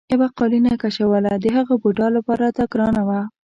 یوه قالینه کشوله د هغه بوډا لپاره دا ګرانه وه.